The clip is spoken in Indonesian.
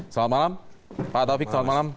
selamat malam pak taufik selamat malam